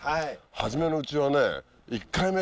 初めのうちはね。